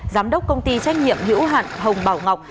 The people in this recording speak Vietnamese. giám đốc công ty trách nhiệm hữu hạn hồng bảo ngọc